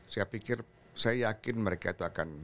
saya pikir saya yakin mereka itu akan